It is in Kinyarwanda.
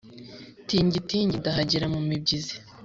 Tingi-tingi ndahagera mumibyizi